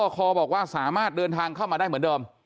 คอบอกว่าสามารถเดินทางเข้ามาได้เหมือนเดิม